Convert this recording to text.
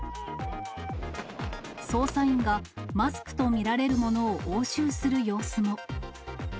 捜査員がマスクと見られるものを押収する様子も。